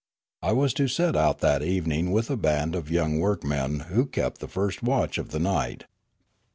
I was to set out that evening with a band of young workmen who kept the first watch of the night.